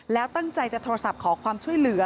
แล้วตั้งใจจะโทรศัพท์ขอความช่วยเหลือ